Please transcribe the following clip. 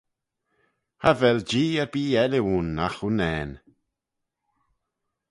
Cha vel Jee erbee elley ayn agh unnane.